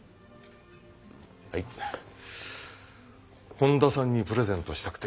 本田さんにプレゼントしたくて。